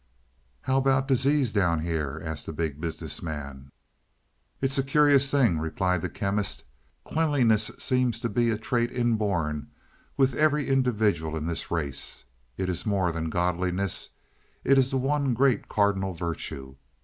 "How about disease down here?" asked the Big Business Man. "It is a curious thing," replied the Chemist. "Cleanliness seems to be a trait inborn with every individual in this race. It is more than godliness; it is the one great cardinal virtue.